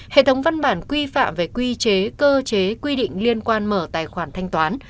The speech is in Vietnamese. hệ thống văn bản quy phạm về quy chế cơ chế quy định liên quan mở tài khoản thanh toán